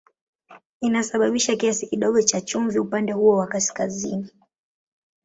Inasababisha kiasi kidogo cha chumvi upande huo wa kaskazini.